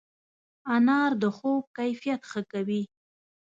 انار د خوب کیفیت ښه کوي.